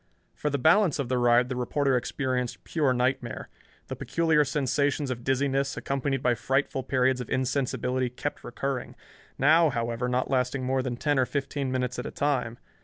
For the balance of the ride the reporter experienced pure nightmare. The peculiar sensations of dizziness, accompanied by frightful periods of insensibility, kept recurring, now, however, not lasting more than ten or fifteen minutes at a time.